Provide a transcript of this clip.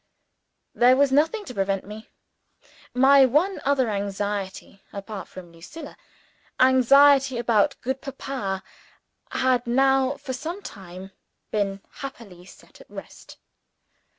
There was nothing to prevent me. My one other anxiety apart from Lucilla anxiety about good Papa had now, for some time, been happily set at rest.